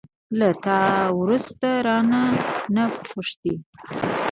له تا وروسته، رانه، نه پوښتي